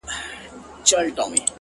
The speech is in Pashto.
فکر وضاحت ګډوډي ختموي